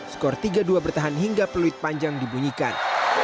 skor tiga dua bertahan hingga peluit panjang dibunyikan